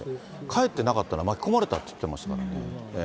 帰ってなかったら巻き込まれたって言ってましたからね。